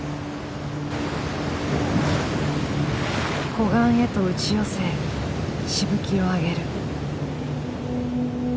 湖岸へと打ち寄せしぶきを上げる。